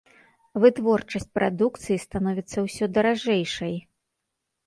Вытворчасць прадукцыі становіцца ўсё даражэйшай.